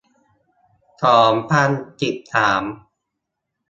สองพันสิบสาม